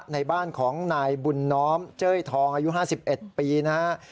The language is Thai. ในบ้านของนายบุญน้อมเจ้ยทองอายุ๕๑ปีนะฮะ